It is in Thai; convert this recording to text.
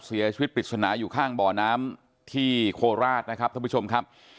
เสียชีวิตปริศนาอยู่ข้างบ่อน้ำที่โคราชนะครับท่านผู้ชมครับ